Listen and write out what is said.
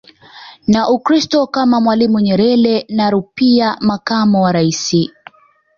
na Ukristo kama Mwalimu Nyerere na Rupia makamo wa raisi